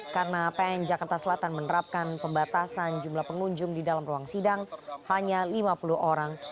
karena pen jakarta selatan menerapkan pembatasan jumlah pengunjung di dalam ruang sidang hanya lima puluh orang